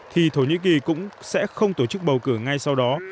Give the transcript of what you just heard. thì thổ nhĩ kỳ cũng sẽ không tổ chức bầu cử ngay sau đó